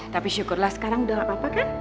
tapi syukurlah sekarang udah gak apa apa kan